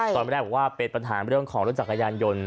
ตอนแรกบอกว่าเป็นปัญหาเรื่องของรถจักรยานยนต์